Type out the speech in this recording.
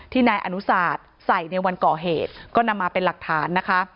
นายอนุสาตใส่ในวันก่อเหตุก็นำมาเป็นหลักฐานนะคะ